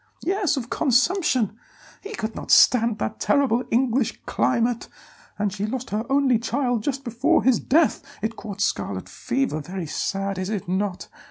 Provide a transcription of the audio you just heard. "Yes, of consumption; he could not stand that terrible English climate. And she lost her only child just before his death; it caught scarlet fever. Very sad, is it not?